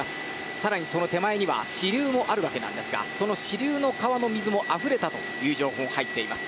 更に、その手前には支流もあるわけなんですがその支流の川の水もあふれたという情報が入っています。